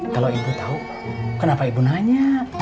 kalau ibu tahu kenapa ibu nanya